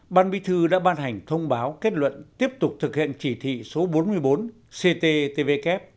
ban bí thư đã ban hành thông báo kết luận tiếp tục thực hiện chỉ thị số bốn mươi bốn cttvk